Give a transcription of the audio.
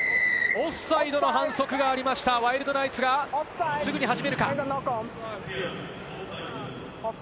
オフサイドの反則がありました、ワイルドナイツがすぐに始めるか？